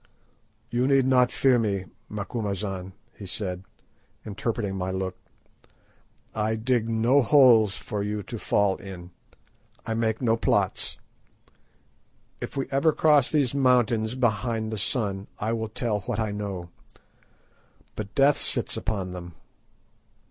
"You need not fear me, Macumazahn," he said, interpreting my look. "I dig no holes for you to fall in. I make no plots. If ever we cross those mountains behind the sun I will tell what I know. But Death sits upon them.